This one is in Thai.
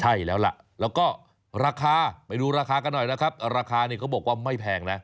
ใช่แล้วล่ะแล้วก็ราคาไปดูราคากันหน่อยนะครับราคาเนี่ยเขาบอกว่าไม่แพงนะ